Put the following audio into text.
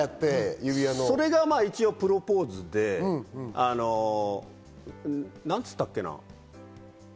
それが一応プロポーズで、何つっったけな。